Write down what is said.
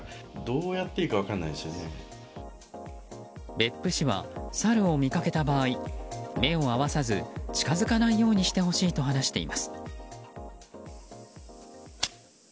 別府市はサルを見かけた場合目を合わさず近づかないようにしてほしいと話しています。